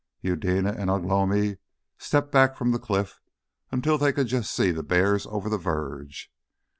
Eudena and Ugh lomi stepped back from the cliff until they could just see the bears over the verge.